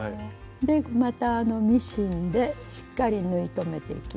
でまたミシンでしっかり縫い留めていきます。